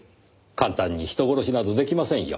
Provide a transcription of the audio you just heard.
簡単に人殺しなど出来ませんよ。